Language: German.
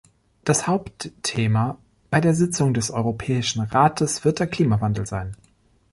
Das Hauptthema bei der Sitzung des Europäischen Rates wird der Klimawandel sein.